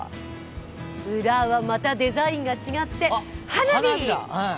裏はまたデザインが違って、花火！